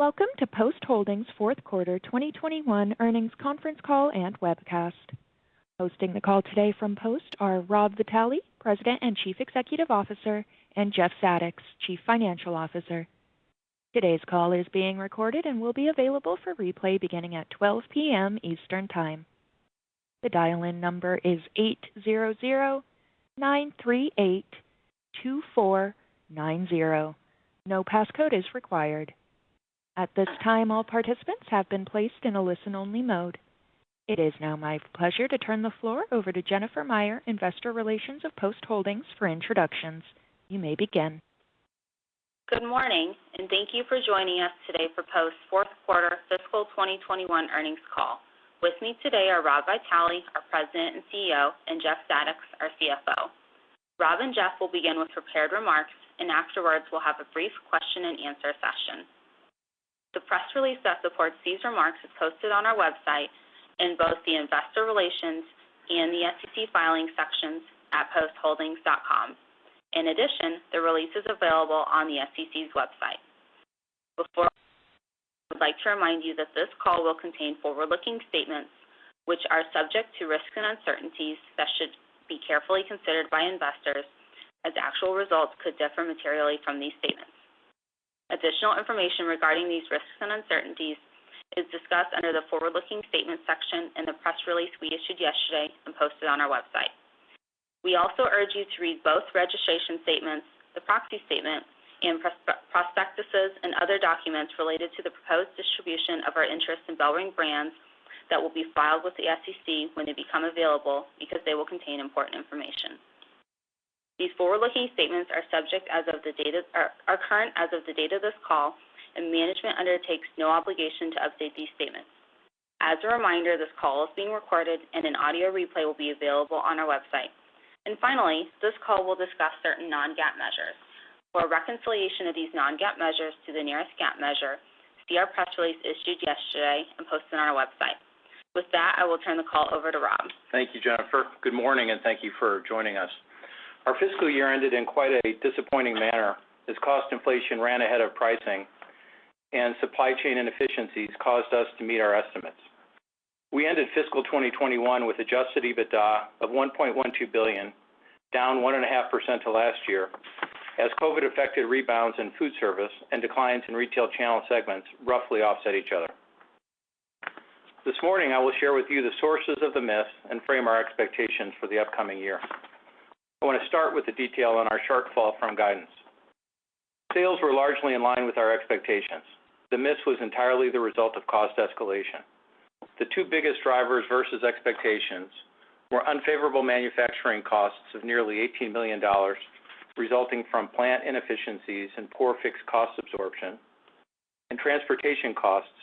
Welcome to Post Holdings fourth quarter 2021 earnings conference call and webcast. Hosting the call today from Post are Rob Vitale, President and Chief Executive Officer, and Jeff Zadoks, Chief Financial Officer. Today's call is being recorded and will be available for replay beginning at 12:00 P.M. Eastern Time. The dial-in number is 800-938-2490. No passcode is required. At this time, all participants have been placed in a listen-only mode. It is now my pleasure to turn the floor over to Jennifer Meyer, Investor Relations of Post Holdings for introductions. You may begin. Good morning and thank you for joining us today for Post fourth quarter fiscal 2021 earnings call. With me today are Rob Vitale, our President and CEO, and Jeff Zadoks, our CFO. Rob and Jeff will begin with prepared remarks and afterwards we'll have a brief question and answer session. The press release that supports these remarks is posted on our website in both the Investor Relations and the SEC filing sections at postholdings.com. In addition, the release is available on the SEC's website. Before we begin, I would like to remind you that this call will contain forward-looking statements which are subject to risks and uncertainties that should be carefully considered by investors as actual results could differ materially from these statements. Additional information regarding these risks and uncertainties is discussed under the forward-looking statement section in the press release we issued yesterday and posted on our website. We also urge you to read both registration statements, the proxy statement, and prospectuses and other documents related to the proposed distribution of our interest in BellRing Brands that will be filed with the SEC when they become available, because they will contain important information. These forward-looking statements are current as of the date of this call, and management undertakes no obligation to update these statements. As a reminder, this call is being recorded and an audio replay will be available on our website. Finally, this call will discuss certain non-GAAP measures. For a reconciliation of these non-GAAP measures to the nearest GAAP measure, see our press release issued yesterday and posted on our website. With that, I will turn the call over to Rob Vitale. Thank you, Jennifer. Good morning, and thank you for joining us. Our fiscal year ended in quite a disappointing manner as cost inflation ran ahead of pricing and supply chain inefficiencies caused us to miss our estimates. We ended fiscal 2021 with Adjusted EBITDA of $1.12 billion, down 1.5% to last year as COVID affected rebounds in foodservice and declines in retail channel segments roughly offset each other. This morning, I will share with you the sources of the miss and frame our expectations for the upcoming year. I want to start with the detail on our shortfall from guidance. Sales were largely in line with our expectations. The miss was entirely the result of cost escalation. The two biggest drivers versus expectations were unfavorable manufacturing costs of nearly $18 million resulting from plant inefficiencies and poor fixed cost absorption and transportation costs,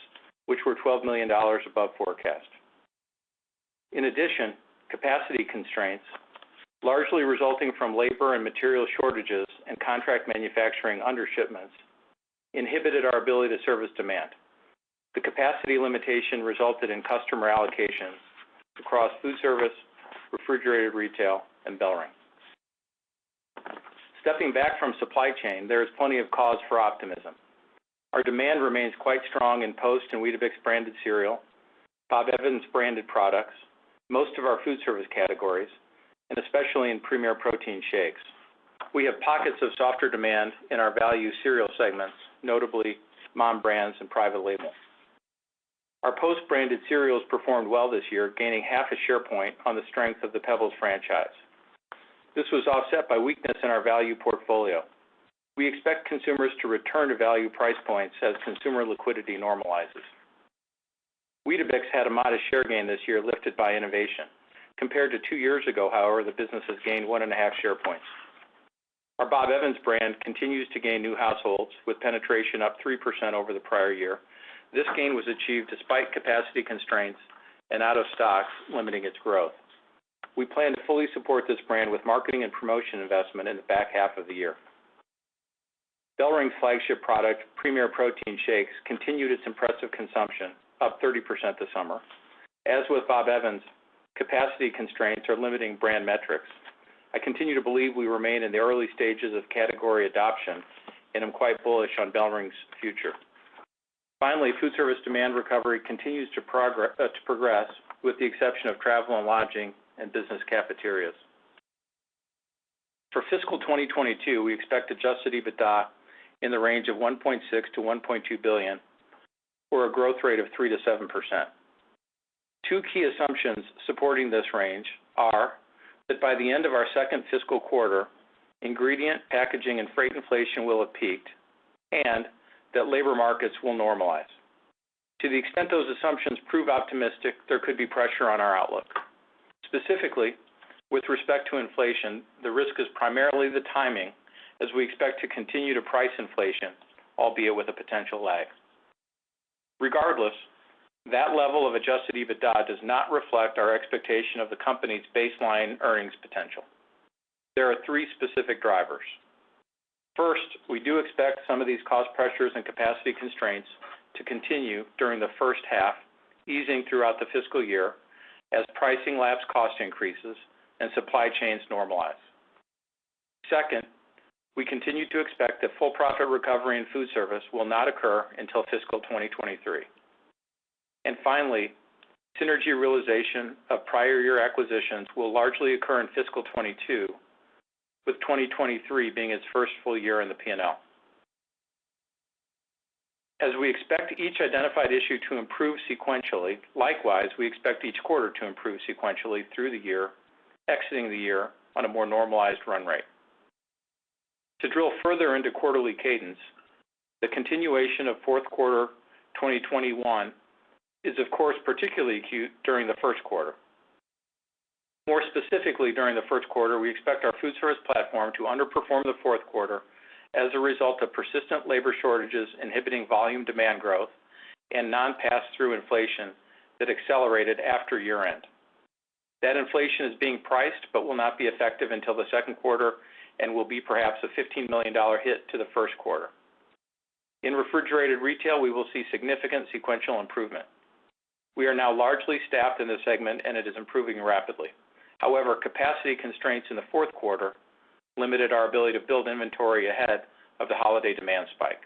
which were $12 million above forecast. In addition, capacity constraints, largely resulting from labor and material shortages and contract manufacturing under shipments, inhibited our ability to service demand. The capacity limitation resulted in customer allocations across foodservice, refrigerated retail, and BellRing. Stepping back from supply chain, there is plenty of cause for optimism. Our demand remains quite strong in Post and Weetabix branded cereal, Bob Evans branded products, most of our foodservice categories, and especially in Premier Protein shakes. We have pockets of softer demand in our value cereal segments, notably Malt-O-Meal brands and private labels. Our Post branded cereals performed well this year, gaining half a share point on the strength of the Pebbles franchise. This was offset by weakness in our value portfolio. We expect consumers to return to value price points as consumer liquidity normalizes. Weetabix had a modest share gain this year, lifted by innovation. Compared to two years ago, however, the business has gained 1.5 share points. Our Bob Evans brand continues to gain new households, with penetration up 3% over the prior year. This gain was achieved despite capacity constraints and out of stocks limiting its growth. We plan to fully support this brand with marketing and promotion investment in the back half of the year. BellRing's flagship product, Premier Protein shakes, continued its impressive consumption, up 30% this summer. As with Bob Evans, capacity constraints are limiting brand metrics. I continue to believe we remain in the early stages of category adoption, and I'm quite bullish on BellRing's future. Finally, foodservice demand recovery continues to progress with the exception of travel and lodging and business cafeterias. For fiscal 2022, we expect Adjusted EBITDA in the range of $1.6 billion-$1.2 billion, or a growth rate of 3%-7%. Two key assumptions supporting this range are that by the end of our second fiscal quarter, ingredient, packaging, and freight inflation will have peaked and that labor markets will normalize. To the extent those assumptions prove optimistic, there could be pressure on our outlook. Specifically, with respect to inflation, the risk is primarily the timing as we expect to continue to price inflation, albeit with a potential lag. Regardless, that level of Adjusted EBITDA does not reflect our expectation of the company's baseline earnings potential. There are three specific drivers. First, we do expect some of these cost pressures and capacity constraints to continue during the first half, easing throughout the fiscal year as pricing laps cost increases and supply chains normalize. Second, we continue to expect that full profit recovery in foodservice will not occur until fiscal 2023. Finally, synergy realization of prior year acquisitions will largely occur in fiscal 2022, with 2023 being its first full year in the P&L. As we expect each identified issue to improve sequentially, likewise, we expect each quarter to improve sequentially through the year, exiting the year on a more normalized run rate. To drill further into quarterly cadence, the continuation of fourth quarter 2021 is of course particularly acute during the first quarter. More specifically, during the first quarter, we expect our foodservice platform to underperform the fourth quarter as a result of persistent labor shortages inhibiting volume demand growth and non-pass through inflation that accelerated after year-end. That inflation is being priced but will not be effective until the second quarter and will be perhaps a $15 million hit to the first quarter. In refrigerated retail, we will see significant sequential improvement. We are now largely staffed in this segment and it is improving rapidly. However, capacity constraints in the fourth quarter limited our ability to build inventory ahead of the holiday demand spike.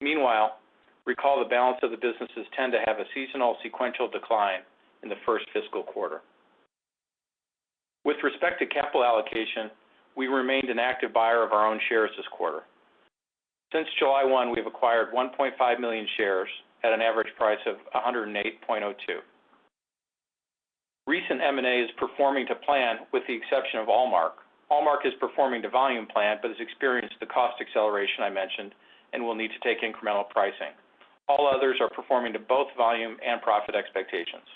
Meanwhile, recall the balance of the businesses tend to have a seasonal sequential decline in the first fiscal quarter. With respect to capital allocation, we remained an active buyer of our own shares this quarter. Since July 1, we have acquired 1.5 million shares at an average price of $108.02. Recent M&A is performing to plan with the exception of Almark. Almark is performing to volume plan, but has experienced the cost acceleration I mentioned and will need to take incremental pricing. All others are performing to both volume and profit expectations.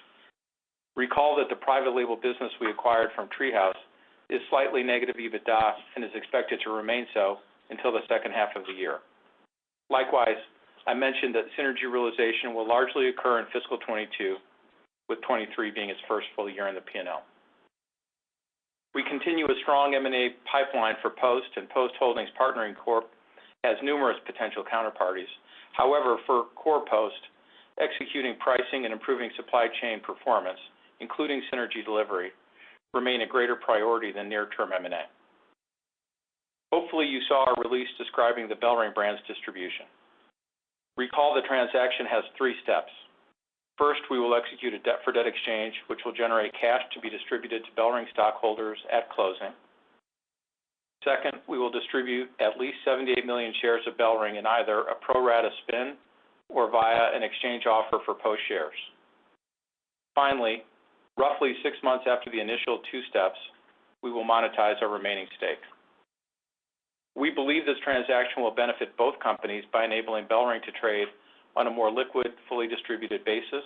Recall that the private label business we acquired from TreeHouse is slightly negative EBITDA and is expected to remain so until the second half of the year. Likewise, I mentioned that synergy realization will largely occur in fiscal 2022, with 2023 being its first full year in the P&L. We continue a strong M&A pipeline for Post, and Post Holdings Partnering Corp has numerous potential counterparties. However, for core Post, executing pricing and improving supply chain performance, including synergy delivery, remain a greater priority than near term M&A. Hopefully, you saw our release describing the BellRing Brands distribution. Recall the transaction has three steps. First, we will execute a debt for debt exchange, which will generate cash to be distributed to BellRing stockholders at closing. Second, we will distribute at least 78 million shares of BellRing in either a pro rata spin or via an exchange offer for Post shares. Finally, roughly six months after the initial two steps, we will monetize our remaining stake. We believe this transaction will benefit both companies by enabling BellRing to trade on a more liquid, fully distributed basis.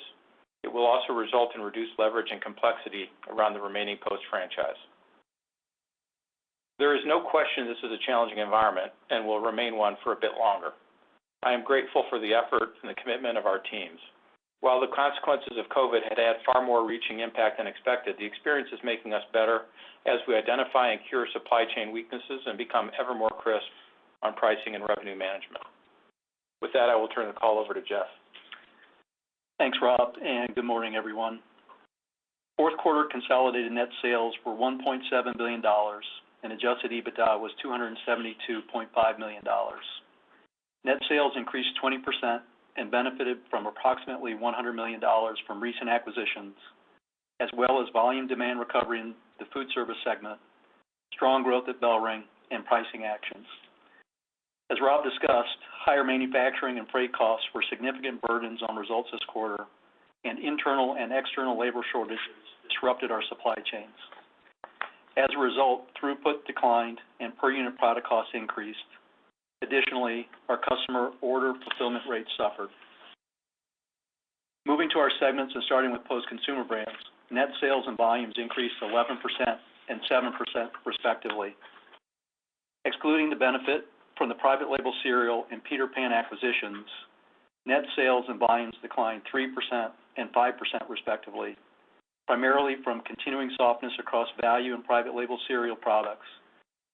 It will also result in reduced leverage and complexity around the remaining Post franchise. There is no question this is a challenging environment and will remain one for a bit longer. I am grateful for the effort and the commitment of our teams. While the consequences of COVID had far-reaching impact than expected, the experience is making us better as we identify and cure supply chain weaknesses and become ever more crisp on pricing and revenue management. With that, I will turn the call over to Jeff. Thanks, Rob, and good morning, everyone. Fourth quarter consolidated net sales were $1.7 billion, and Adjusted EBITDA was $272.5 million. Net sales increased 20% and benefited from approximately $100 million from recent acquisitions, as well as volume demand recovery in the Foodservice segment, strong growth at BellRing, and pricing actions. As Rob discussed, higher manufacturing and freight costs were significant burdens on results this quarter, and internal and external labor shortages disrupted our supply chains. As a result, throughput declined and per unit product costs increased. Additionally, our customer order fulfillment rates suffered. Moving to our segments and starting with Post Consumer Brands, net sales and volumes increased 11% and 7% respectively. Excluding the benefit from the private label cereal and Peter Pan acquisitions, net sales and volumes declined 3% and 5% respectively, primarily from continuing softness across value and private label cereal products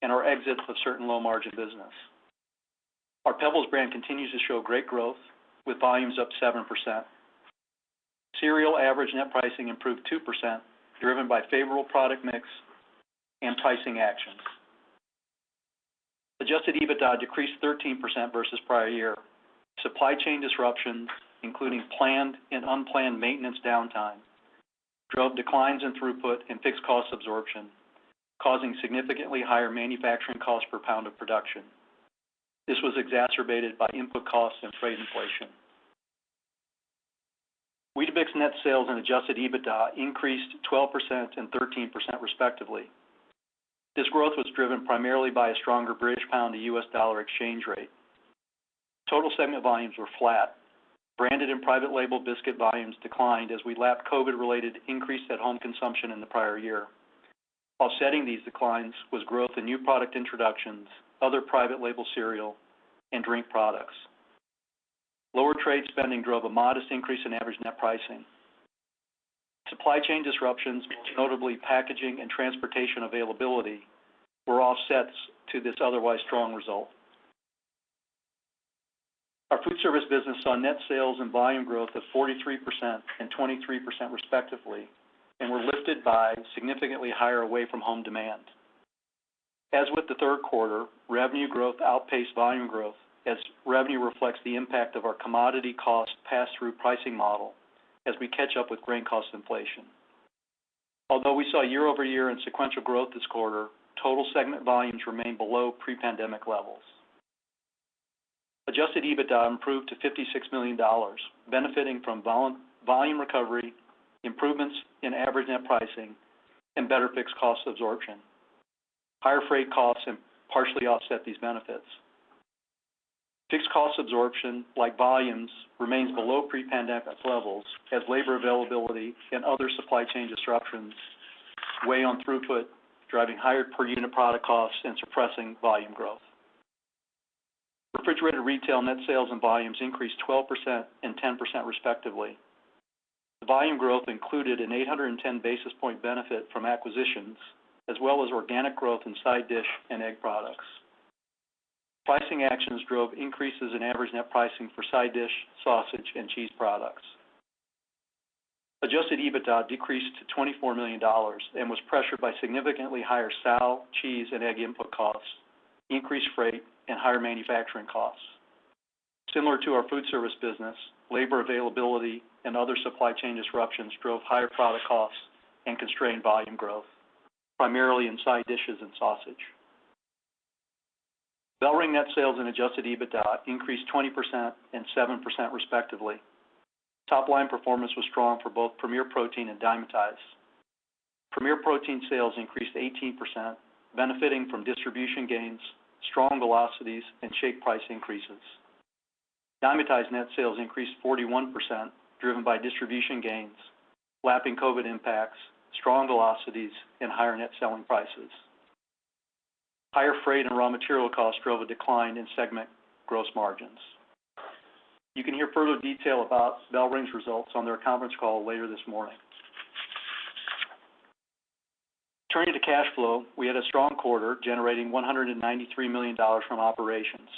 and our exits of certain low margin business. Our Pebbles brand continues to show great growth with volumes up 7%. Cereal average net pricing improved 2%, driven by favorable product mix and pricing actions. Adjusted EBITDA decreased 13% versus prior year. Supply chain disruptions, including planned and unplanned maintenance downtime, drove declines in throughput and fixed cost absorption, causing significantly higher manufacturing costs per pound of production. This was exacerbated by input costs and freight inflation. Weetabix net sales and Adjusted EBITDA increased 12% and 13% respectively. This growth was driven primarily by a stronger British pound to US dollar exchange rate. Total segment volumes were flat. Branded and private label biscuit volumes declined as we lapped COVID-related increases in at-home consumption in the prior year. Offsetting these declines was growth in new product introductions, other private label cereal, and drink products. Lower trade spending drove a modest increase in average net pricing. Supply chain disruptions, most notably packaging and transportation availability, were offsets to this otherwise strong result. Foodservice business saw net sales and volume growth of 43% and 23% respectively, and were lifted by significantly higher away-from-home demand. As with the third quarter, revenue growth outpaced volume growth as revenue reflects the impact of our commodity cost pass-through pricing model as we catch up with grain cost inflation. Although we saw year-over-year and sequential growth this quarter, total segment volumes remain below pre-pandemic levels. Adjusted EBITDA improved to $56 million, benefiting from volume recovery, improvements in average net pricing, and better fixed cost absorption. Higher freight costs have partially offset these benefits. Fixed cost absorption, like volumes, remains below pre-pandemic levels as labor availability and other supply chain disruptions weigh on throughput, driving higher per unit product costs and suppressing volume growth. Refrigerated retail net sales and volumes increased 12% and 10% respectively. The volume growth included an 810 basis point benefit from acquisitions, as well as organic growth in side dish and egg products. Pricing actions drove increases in average net pricing for side dish, sausage, and cheese products. Adjusted EBITDA decreased to $24 million and was pressured by significantly higher sow, cheese, and egg input costs, increased freight, and higher manufacturing costs. Similar to our foodservice business, labor availability and other supply chain disruptions drove higher product costs and constrained volume growth, primarily in side dishes and sausage. BellRing net sales and Adjusted EBITDA increased 20% and 7% respectively. Top line performance was strong for both Premier Protein and Dymatize. Premier Protein sales increased 18%, benefiting from distribution gains, strong velocities, and shake price increases. Dymatize net sales increased 41% driven by distribution gains, lapping COVID impacts, strong velocities, and higher net selling prices. Higher freight and raw material costs drove a decline in segment gross margins. You can hear further detail about BellRing's results on their conference call later this morning. Turning to cash flow, we had a strong quarter generating $193 million from operations.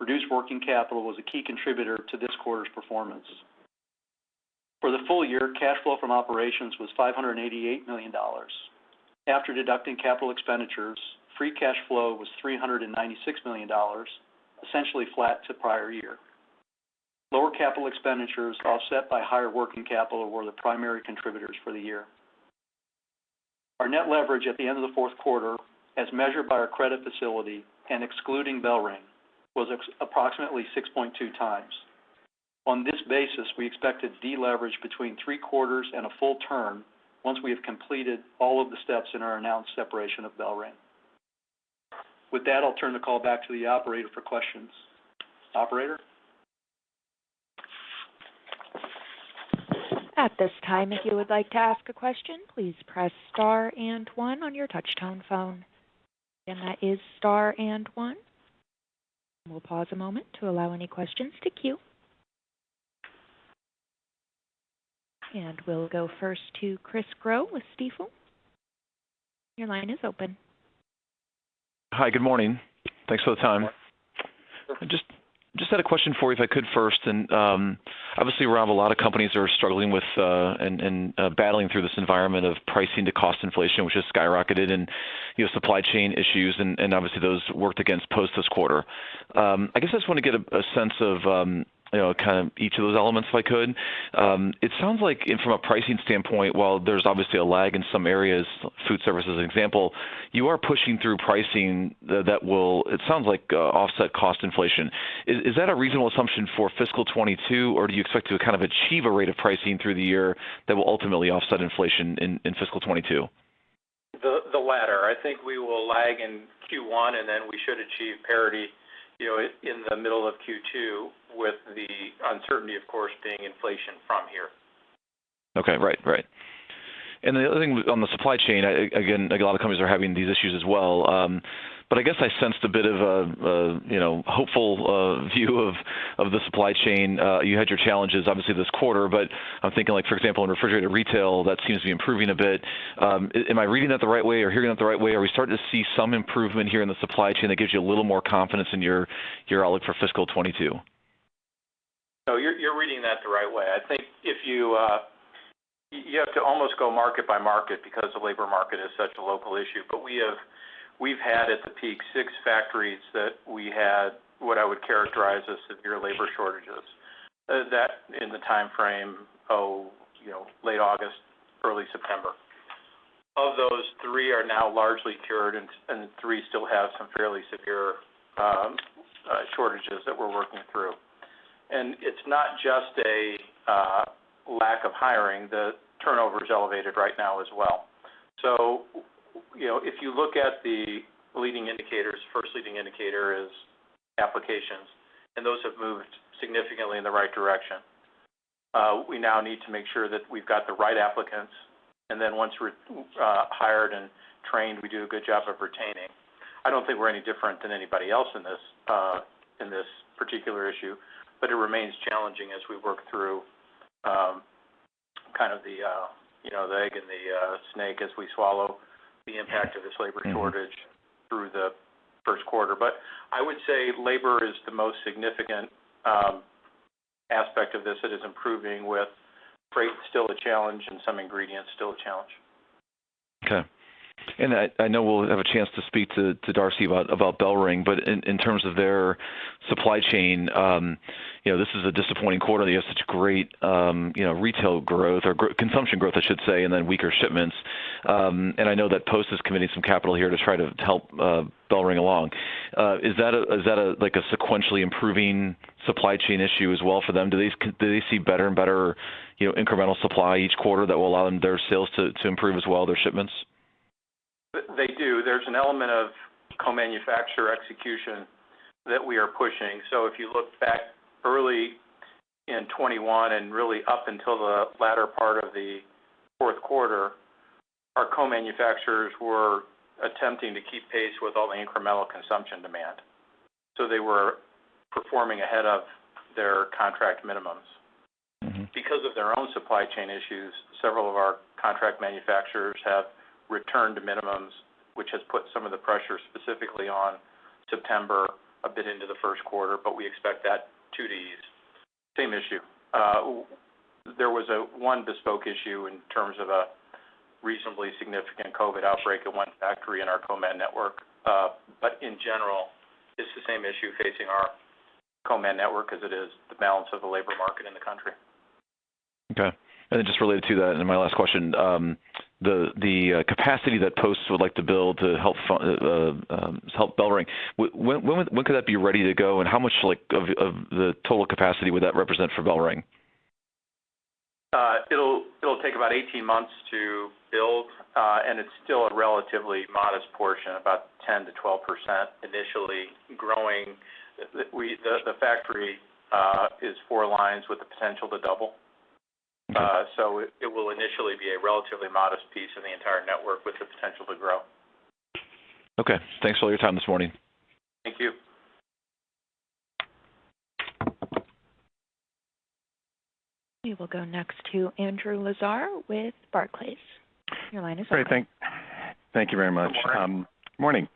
Reduced working capital was a key contributor to this quarter's performance. For the full year, cash flow from operations was $588 million. After deducting capital expenditures, free cash flow was $396 million, essentially flat to prior year. Lower capital expenditures offset by higher working capital were the primary contributors for the year. Our net leverage at the end of the fourth quarter, as measured by our credit facility and excluding BellRing, was approximately 6.2x. On this basis, we expect to deleverage between three quarters and a full turn once we have completed all of the steps in our announced separation of BellRing. With that, I'll turn the call back to the operator for questions. Operator? At this time, if you would like to ask a question, please press star and one on your touchtone phone. That is star and one. We'll pause a moment to allow any questions to queue. We'll go first to Chris Growe with Stifel. Your line is open. Hi, good morning. Thanks for the time. I just had a question for you, if I could first. Obviously, Rob, a lot of companies are struggling with and battling through this environment of pricing to cost inflation, which has skyrocketed and, you know, supply chain issues, and obviously those worked against Post this quarter. I guess I just wanna get a sense of, you know, kind of each of those elements, if I could. It sounds like from a pricing standpoint, while there's obviously a lag in some areas, foodservice as an example, you are pushing through pricing that will, it sounds like, offset cost inflation. Is that a reasonable assumption for fiscal 2022, or do you expect to kind of achieve a rate of pricing through the year that will ultimately offset inflation in fiscal 2022? The latter. I think we will lag in Q1, and then we should achieve parity, you know, in the middle of Q2 with the uncertainty, of course, being inflation from here. Okay. Right. The other thing on the supply chain, again, like a lot of companies are having these issues as well. I guess I sensed a bit of a you know hopeful view of the supply chain. You had your challenges obviously this quarter, but I'm thinking like, for example, in refrigerated retail, that seems to be improving a bit. Am I reading that the right way or hearing that the right way? Are we starting to see some improvement here in the supply chain that gives you a little more confidence in your outlook for fiscal 2022? No, you're reading that the right way. I think if you have to almost go market by market because the labor market is such a local issue. We've had at the peak six factories that we had what I would characterize as severe labor shortages in the timeframe late August, early September. Of those, three are now largely cured and three still have some fairly severe shortages that we're working through. It's not just a lack of hiring, the turnover is elevated right now as well. You know, if you look at the leading indicators, first leading indicator is applications, and those have moved significantly in the right direction. We now need to make sure that we've got the right applicants, and then once we're hired and trained, we do a good job of retaining. I don't think we're any different than anybody else in this particular issue, but it remains challenging as we work through You know, the egg and the snack as we swallow the impact of this labor shortage through the first quarter. I would say labor is the most significant aspect of this that is improving with freight still a challenge and some ingredients still a challenge. Okay. I know we'll have a chance to speak to Darcy about BellRing, but in terms of their supply chain, this is a disappointing quarter. You have such great retail growth or gross consumption growth, I should say, and then weaker shipments. I know that Post has committed some capital here to try to help BellRing along. Is that a like a sequentially improving supply chain issue as well for them? Do they see better and better incremental supply each quarter that will allow their sales to improve as well, their shipments? They do. There's an element of co-manufacturer execution that we are pushing. If you look back early in 2021 and really up until the latter part of the fourth quarter, our co-manufacturers were attempting to keep pace with all the incremental consumption demand. They were performing ahead of their contract minimums. Mm-hmm. Because of their own supply chain issues, several of our contract manufacturers have returned to minimums, which has put some of the pressure specifically on September, a bit into the first quarter, but we expect that too to ease. Same issue. There was one bespoke issue in terms of a reasonably significant COVID outbreak at one factory in our co-man network. But in general, it's the same issue facing our co-man network as it is the balance of the labor market in the country. Okay. Just related to that, and my last question, the capacity that Post would like to build to help BellRing, when could that be ready to go, and how much, like, of the total capacity would that represent for BellRing? It'll take about 18 months to build, and it's still a relatively modest portion, about 10%-12% initially growing. The factory is four lines with the potential to double. Mm-hmm. It will initially be a relatively modest piece in the entire network with the potential to grow. Okay. Thanks for all your time this morning. Thank you. We will go next to Andrew Lazar with Barclays. Your line is open. Sorry. Thank you very much. Good morning. Morning.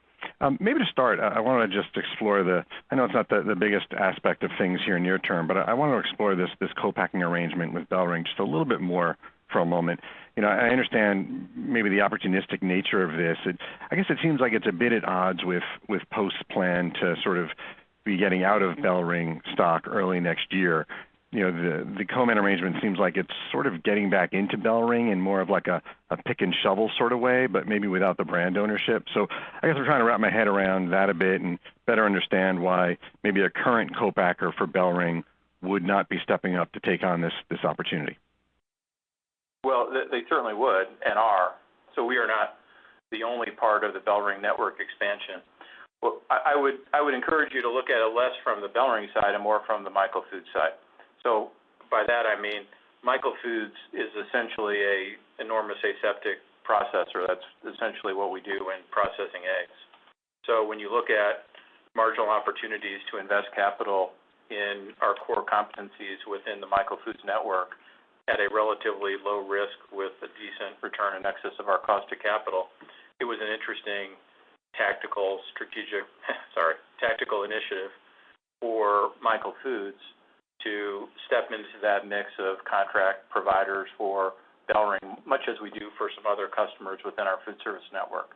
Maybe to start, I wanna just explore. I know it's not the biggest aspect of things here near term, but I wanna explore this co-packing arrangement with BellRing just a little bit more for a moment. You know, I understand maybe the opportunistic nature of this. I guess it seems like it's a bit at odds with Post's plan to sort of be getting out of BellRing stock early next year. You know, the co-man arrangement seems like it's sort of getting back into BellRing in more of like a pick and shovel sort of way, but maybe without the brand ownership. I guess I'm trying to wrap my head around that a bit and better understand why maybe a current co-packer for BellRing would not be stepping up to take on this opportunity. Well, they certainly would and are. We are not the only part of the BellRing network expansion. I would encourage you to look at it less from the BellRing side and more from the Michael Foods side. By that, I mean Michael Foods is essentially an enormous aseptic processor. That's essentially what we do in processing eggs. When you look at marginal opportunities to invest capital in our core competencies within the Michael Foods network at a relatively low risk with a decent return in excess of our cost of capital, it was an interesting tactical initiative for Michael Foods to step into that mix of contract providers for BellRing, much as we do for some other customers within our foodservice network.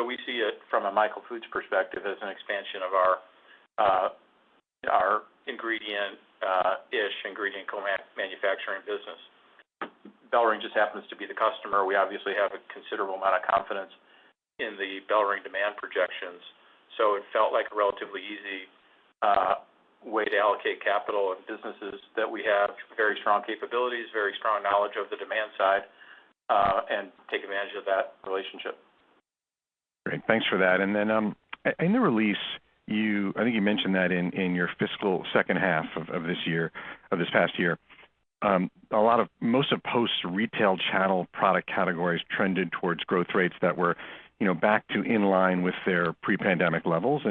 We see it from a Michael Foods perspective as an expansion of our ingredient co-manufacturing business. BellRing just happens to be the customer. We obviously have a considerable amount of confidence in the BellRing demand projections. It felt like a relatively easy way to allocate capital in businesses that we have very strong capabilities, very strong knowledge of the demand side, and take advantage of that relationship. Great. Thanks for that. In the release, I think you mentioned that in your fiscal second half of this past year, most of Post's retail channel product categories trended towards growth rates that were, you know, back to in line with their pre-pandemic levels.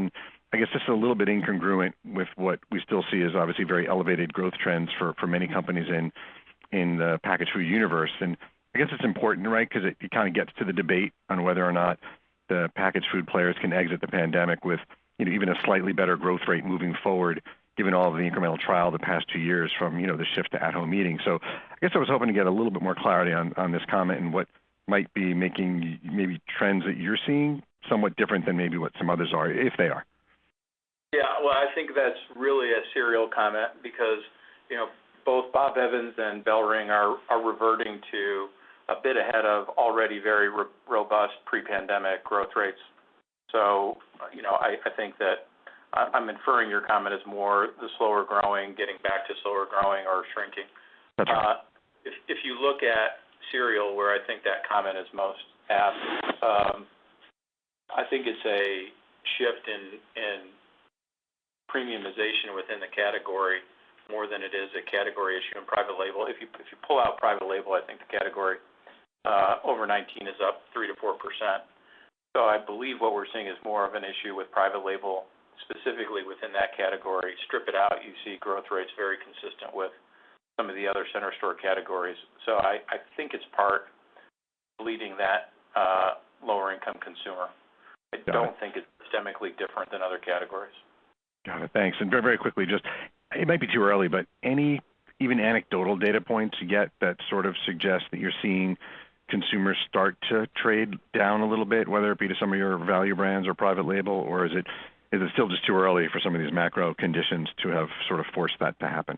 I guess this is a little bit incongruent with what we still see as obviously very elevated growth trends for many companies in the packaged food universe. I guess it's important, right? 'Cause it kinda gets to the debate on whether or not the packaged food players can exit the pandemic with, you know, even a slightly better growth rate moving forward, given all of the incremental trial the past two years from, you know, the shift to at-home eating. I guess I was hoping to get a little bit more clarity on this comment and what might be making maybe trends that you're seeing somewhat different than maybe what some others are, if they are. Yeah. Well, I think that's really a cereal comment because, you know, both Bob Evans and BellRing are reverting to a bit ahead of already very really robust pre-pandemic growth rates. You know, I think that I'm inferring your comment is more the slower growing, getting back to slower growing or shrinking. Okay. If you look at cereal, where I think that comment is most apt, I think it's a shift in premiumization within the category more than it is a category issue in private label. If you pull out private label, I think the category is up 3%-4%. I believe what we're seeing is more of an issue with private label, specifically within that category. Strip it out, you see growth rates very consistent with some of the other center store categories. I think it's partly leading that lower income consumer. Got it. I don't think it's systemically different than other categories. Got it. Thanks. Very, very quickly, just it might be too early, but any even anecdotal data points yet that sort of suggest that you're seeing consumers start to trade down a little bit, whether it be to some of your value brands or private label? Is it, is it still just too early for some of these macro conditions to have sort of forced that to happen?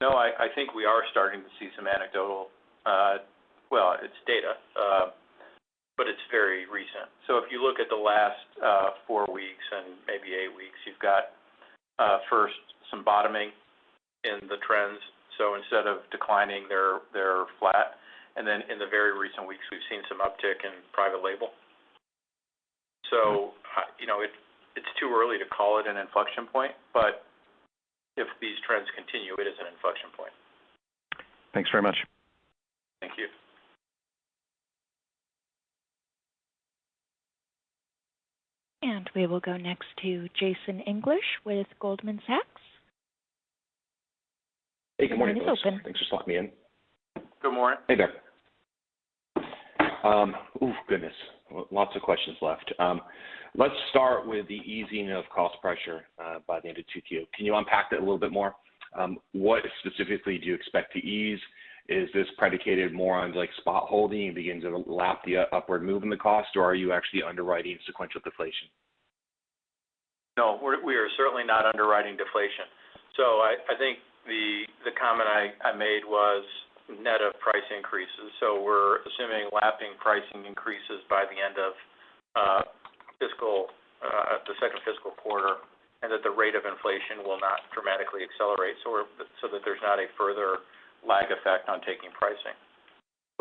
No, I think we are starting to see some anecdotal. Well, it's data, but it's very recent. If you look at the last four weeks and maybe eight weeks, you've got first some bottoming in the trends. Instead of declining, they're flat. Then in the very recent weeks, we've seen some uptick in private label. You know, it's too early to call it an inflection point, but if these trends continue, it is an inflection point. Thanks very much. Thank you. We will go next to Jason English with Goldman Sachs. Hey, good morning, folks. Your line is open. Thanks for talking me in. Good morning. Hey there. Lots of questions left. Let's start with the easing of cost pressure by the end of 2Q. Can you unpack that a little bit more? What specifically do you expect to ease? Is this predicated more on like spot holding begins to lap the upward move in the cost, or are you actually underwriting sequential deflation? No, we are certainly not underwriting deflation. I think the comment I made was net of price increases. We're assuming lapping pricing increases by the end of the second fiscal quarter, and that the rate of inflation will not dramatically accelerate. That there's not a further lag effect on taking pricing.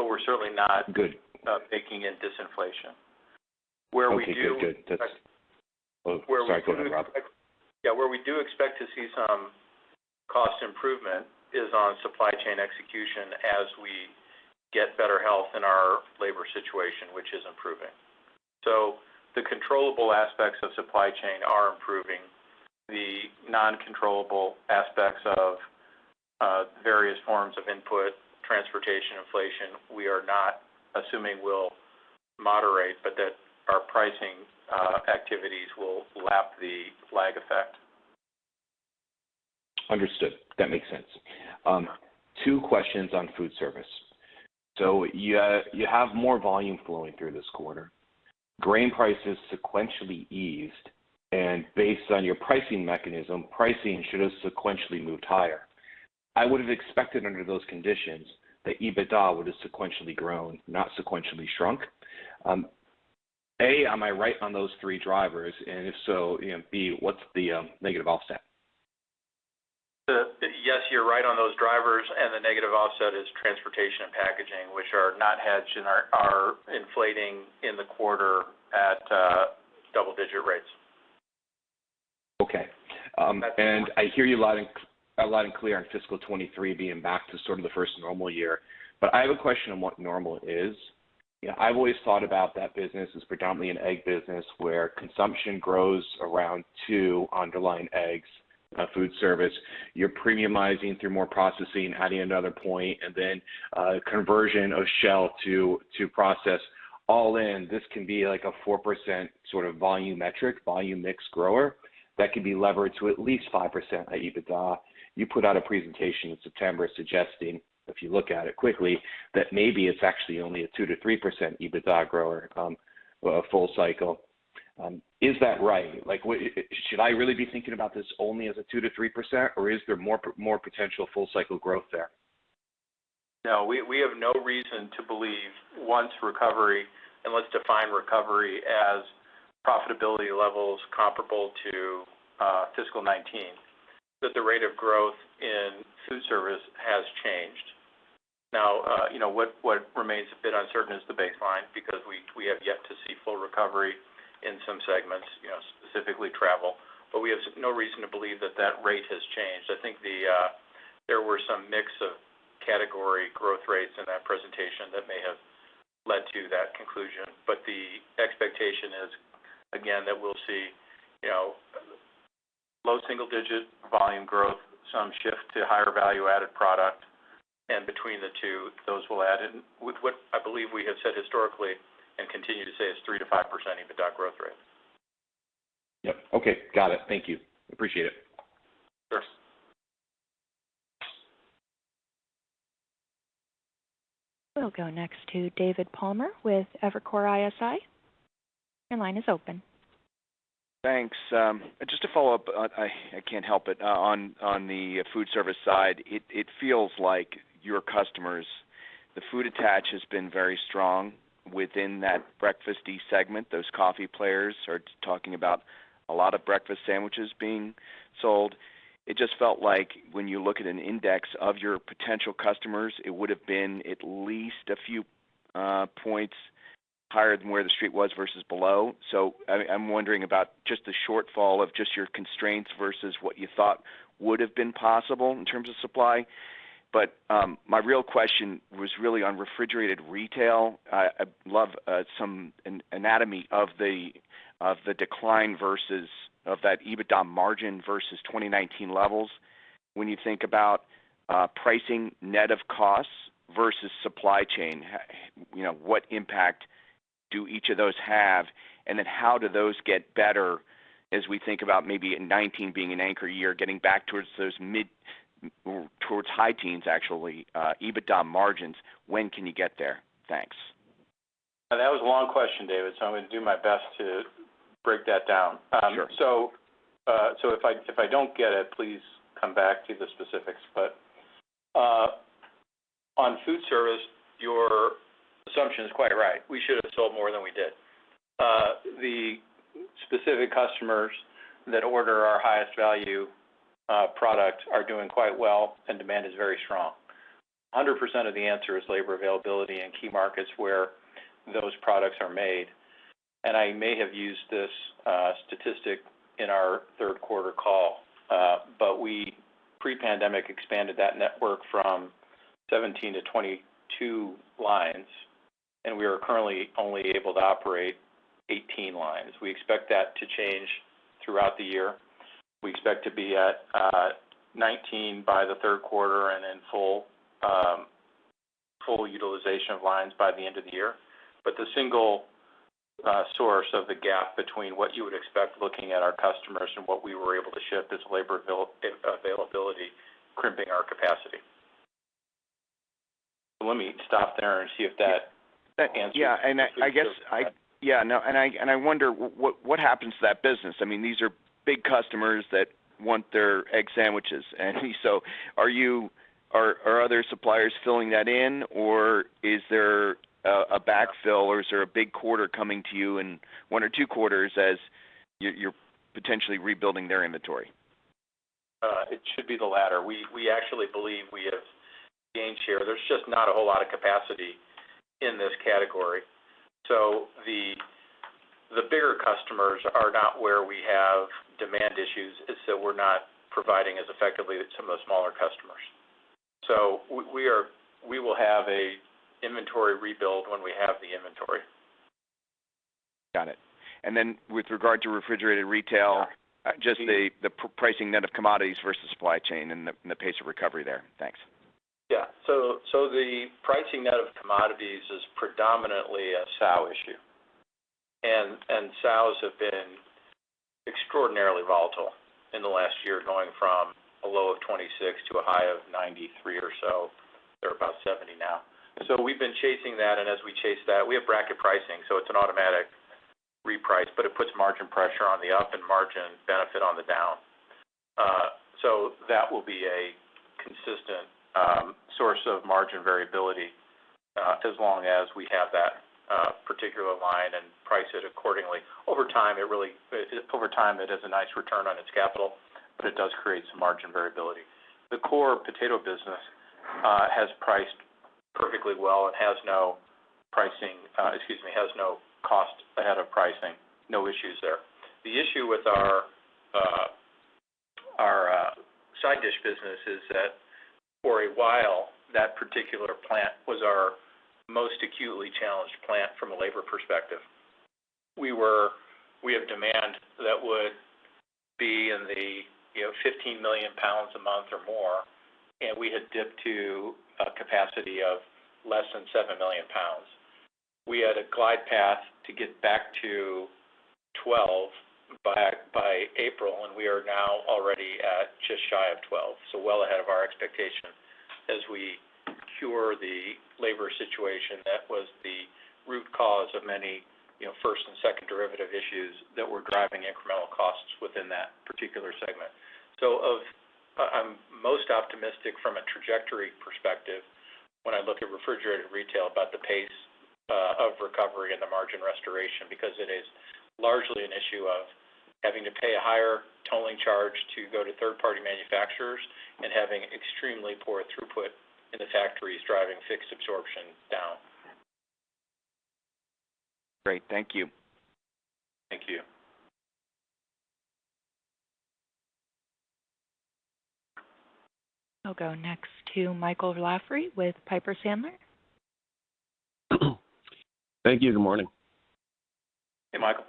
We're certainly not. Good Baking in disinflation. Where we do. Okay, good. Where we do. Sorry, go ahead, Rob. Yeah. Where we do expect to see some cost improvement is on supply chain execution as we get better health in our labor situation, which is improving. The controllable aspects of supply chain are improving. The non-controllable aspects of various forms of input, transportation, inflation, we are not assuming will moderate, but that our pricing activities will lap the lag effect. Understood. That makes sense. Two questions on foodservice. You have more volume flowing through this quarter. Grain prices sequentially eased, and based on your pricing mechanism, pricing should have sequentially moved higher. I would have expected under those conditions that EBITDA would have sequentially grown, not sequentially shrunk. A, am I right on those three drivers? If so, you know, B, what's the negative offset? Yes, you're right on those drivers, and the negative offset is transportation and packaging, which are not hedged and are inflating in the quarter at double digit rates. Okay. That's the one. I hear you loud and clear on fiscal 2023 being back to sort of the first normal year, but I have a question on what normal is. You know, I've always thought about that business as predominantly an egg business where consumption grows around 2% underlying eggs, foodservice. You're premiumizing through more processing, adding another point, and then conversion of shell to processed all in. This can be like a 4% sort of volume metric, volume mix grower that can be levered to at least 5% EBITDA. You put out a presentation in September suggesting, if you look at it quickly, that maybe it's actually only a 2%-3% EBITDA grower, full cycle. Is that right? Like, what should I really be thinking about this only as a 2%-3%, or is there more potential full cycle growth there? No, we have no reason to believe once recovery, and let's define recovery as profitability levels comparable to fiscal 2019, that the rate of growth in foodservice has changed. Now, you know, what remains a bit uncertain is the baseline because we have yet to see full recovery in some segments, you know, specifically travel. We have no reason to believe that rate has changed. I think there were some mix of category growth rates in that presentation that may have led to that conclusion. The expectation is, again, that we'll see, you know, low single digit volume growth, some shift to higher value-added product. Between the two, those will add in with what I believe we have said historically and continue to say is 3%-5% EBITDA growth rate. Yep. Okay. Got it. Thank you. Appreciate it. Sure. We'll go next to David Palmer with Evercore ISI. Your line is open. Thanks. Just to follow up, I can't help it. On the foodservice side, it feels like your customers, the food attach has been very strong within that breakfasty segment. Those coffee players are talking about a lot of breakfast sandwiches being sold. It just felt like when you look at an index of your potential customers, it would have been at least a few points higher than where the street was versus below. I'm wondering about just the shortfall of just your constraints versus what you thought would have been possible in terms of supply. But my real question was really on refrigerated retail. I'd love some anatomy of the decline versus that EBITDA margin versus 2019 levels. When you think about pricing net of costs versus supply chain, you know, what impact do each of those have? How do those get better as we think about maybe in 2019 being an anchor year, getting back towards those high teens, actually, EBITDA margins, when can you get there? Thanks. That was a long question, David, so I'm gonna do my best to break that down. Sure. If I don't get it, please come back to the specifics. On foodservice, your assumption is quite right. We should have sold more than we did. The specific customers that order our highest value product are doing quite well, and demand is very strong. 100% of the answer is labor availability in key markets where those products are made. I may have used this statistic in our third quarter call, but we pre-pandemic expanded that network from 17 to 22 lines, and we are currently only able to operate 18 lines. We expect that to change throughout the year. We expect to be at 19 by the third quarter and in full utilization of lines by the end of the year. The single source of the gap between what you would expect looking at our customers and what we were able to ship is labor availability crimping our capacity. Let me stop there and see if that answers. I wonder what happens to that business. I mean, these are big customers that want their egg sandwiches. Are other suppliers filling that in, or is there a backfill, or is there a big quarter coming to you in one or two quarters as you're potentially rebuilding their inventory? It should be the latter. We actually believe we have gained share. There's just not a whole lot of capacity in this category. The bigger customers are not where we have demand issues. It's that we're not providing as effectively to some of the smaller customers. We will have an inventory rebuild when we have the inventory. Got it. Then with regard to refrigerated retail, just the pricing net of commodities versus supply chain and the pace of recovery there. Thanks. The pricing net of commodities is predominantly a sow issue. Sows have been extraordinarily volatile in the last year, going from a low of 26 to a high of 93 or so. They're about 70 now. We've been chasing that, and as we chase that, we have bracket pricing, so it's an automatic reprice, but it puts margin pressure on the up and margin benefit on the down. That will be a consistent source of margin variability as long as we have that particular line and price it accordingly. Over time, it is a nice return on its capital, but it does create some margin variability. The core potato business has priced perfectly well. It has no cost ahead of pricing, no issues there. The issue with our side dish business is that for a while, that particular plant was our most acutely challenged plant from a labor perspective. We have demand that would be in the 15 million pounds a month or more, and we had dipped to a capacity of less than 7 million pounds. We had a glide path to get back to 12 million pounds by April, and we are now already at just shy of 12 million pounds, so well ahead of our expectation. As we cure the labor situation, that was the root cause of many first and second derivative issues that were driving incremental costs within that particular segment. I'm most optimistic from a trajectory perspective when I look at refrigerated retail about the pace of recovery and the margin restoration, because it is largely an issue of having to pay a higher tolling charge to go to third-party manufacturers and having extremely poor throughput in the factories driving fixed absorption down. Great. Thank you. Thank you. I'll go next to Michael Lavery with Piper Sandler. Thank you. Good morning. Hey, Michael.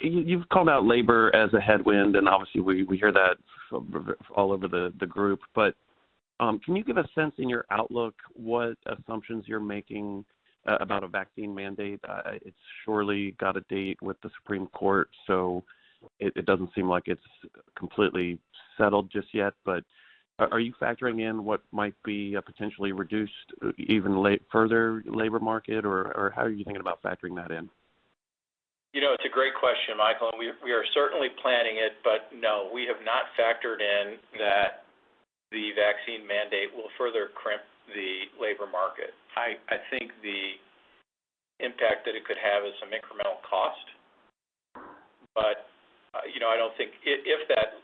You've called out labor as a headwind, and obviously we hear that all over the group. Can you give a sense in your outlook what assumptions you're making about a vaccine mandate? It's surely got a date with the Supreme Court, so it doesn't seem like it's completely settled just yet. Are you factoring in what might be a potentially reduced further labor market, or how are you thinking about factoring that in? You know, it's a great question, Michael, and we are certainly planning it. No, we have not factored in that the vaccine mandate will further crimp the labor market. I think the impact that it could have is some incremental cost. I don't think if that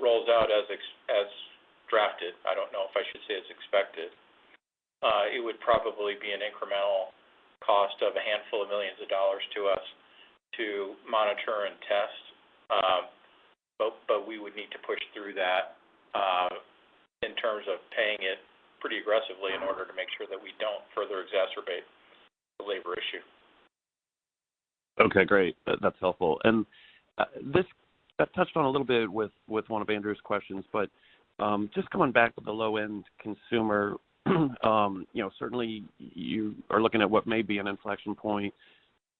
rolls out as drafted, I don't know if I should say as expected, it would probably be an incremental cost of a handful of millions of dollars to us to monitor and test. But we would need to push through that in terms of paying it pretty aggressively in order to make sure that we don't further exacerbate the labor issue. Okay, great. That's helpful. This, I touched on a little bit with one of Andrew's questions, but just coming back with the low-end consumer, you know, certainly you are looking at what may be an inflection point.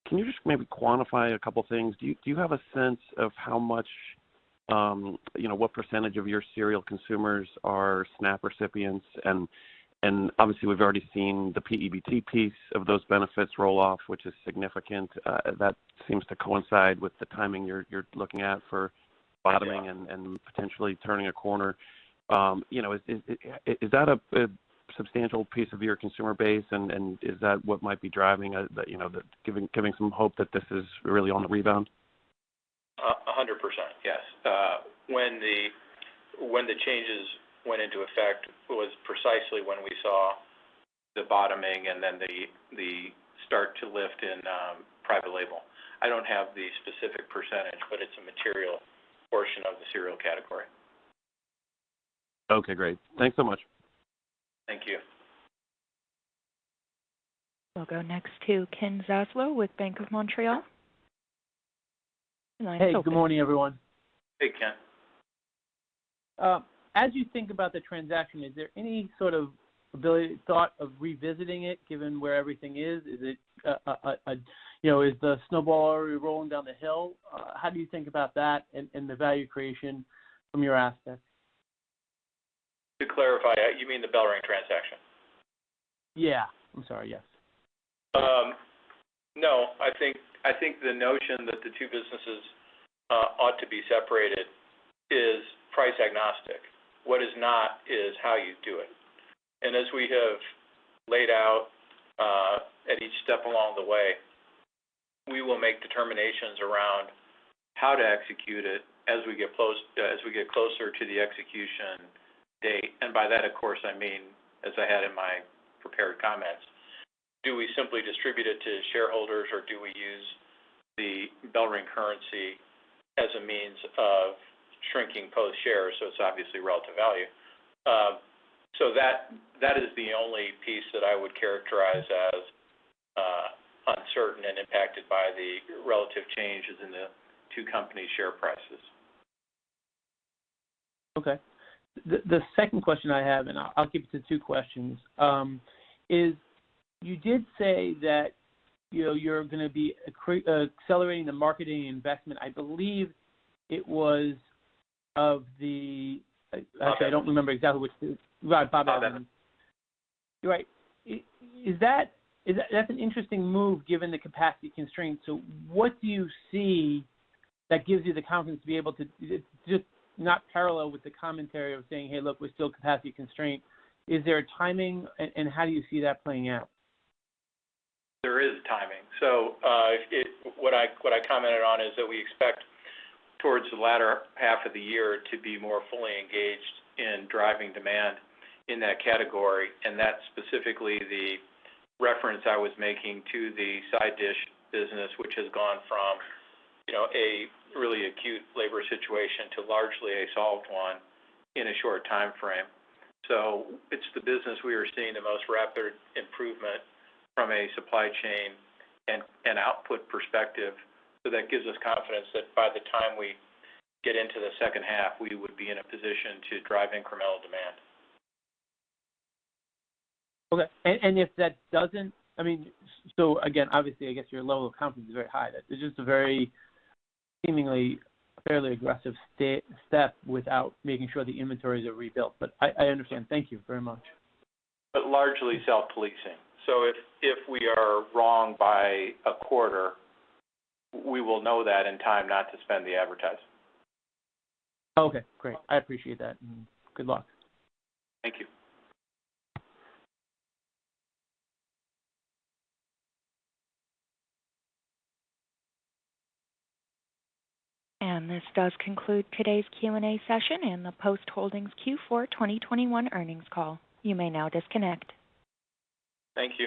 Can you just maybe quantify a couple of things? Do you have a sense of how much, you know, what percentage of your cereal consumers are SNAP recipients? And obviously, we've already seen the P-EBT piece of those benefits roll off, which is significant. That seems to coincide with the timing you're looking at for bottoming and potentially turning a corner. You know, is that a substantial piece of your consumer base, and is that what might be driving, you know, giving some hope that this is really on the rebound? 100%, yes. When the changes went into effect, it was precisely when we saw the bottoming and then the start to lift in private label. I don't have the specific percentage, but it's a material portion of the cereal category. Okay, great. Thanks so much. Thank you. We'll go next to Ken Zaslow with Bank of Montreal. Hey, good morning, everyone. Hey, Ken. As you think about the transaction, is there any sort of thought of revisiting it given where everything is? Is it, you know, is the snowball already rolling down the hill? How do you think about that and the value creation from your aspect? To clarify, you mean the BellRing transaction? Yeah. I'm sorry, yes. No, I think the notion that the two businesses ought to be separated is price-agnostic. What is not is how you do it. As we have laid out at each step along the way, we will make determinations around how to execute it as we get closer to the execution date. By that, of course, I mean, as I had in my prepared comments, do we simply distribute it to shareholders or do we use the BellRing currency as a means of shrinking Post shares, so it's obviously relative value? So that is the only piece that I would characterize as uncertain and impacted by the relative changes in the two company share prices. Okay. The second question I have, and I'll keep it to two questions, is you did say that, you know, you're gonna be accelerating the marketing investment. I believe it was of the. Actually, I don't remember exactly which. Right. That's an interesting move given the capacity constraints. What do you see that gives you the confidence just not parallel with the commentary of saying, "Hey, look, we're still capacity constrained." Is there a timing? How do you see that playing out? There is timing. What I commented on is that we expect towards the latter half of the year to be more fully engaged in driving demand in that category. That's specifically the reference I was making to the side dish business, which has gone from, you know, a really acute labor situation to largely a solved one in a short timeframe. It's the business we are seeing the most rapid improvement from a supply chain and output perspective. That gives us confidence that by the time we get into the second half, we would be in a position to drive incremental demand. Okay. If that doesn't, I mean, so again, obviously, I guess your level of confidence is very high. That is just a very seemingly fairly aggressive step without making sure the inventories are rebuilt. I understand. Thank you very much. Largely self-policing. If we are wrong by a quarter, we will know that in time not to spend the advertisement. Okay, great. I appreciate that. Good luck. Thank you. This does conclude today's Q&A session in the Post Holdings Q4 2021 earnings call. You may now disconnect. Thank you.